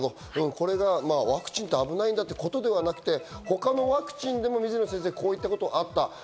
これがワクチンって危ないんだってことではなくて他のワクチンでも水野先生、こういったことはあった。